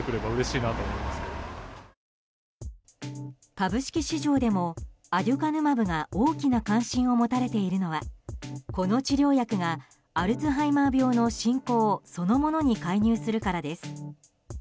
株式市場でもアデュカヌマブが大きな関心を持たれているのはこの治療薬がアルツハイマー病の進行そのものに介入するからです。